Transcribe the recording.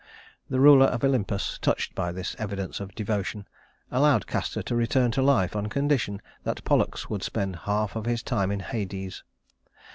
The ruler of Olympus, touched by this evidence of devotion, allowed Castor to return to life on condition that Pollux would spend half of his time in Hades.